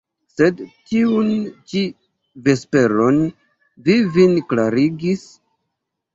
Sed tiun ĉi vesperon vi vin klarigis?